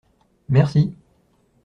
Merci.